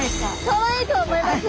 かわいいとは思います。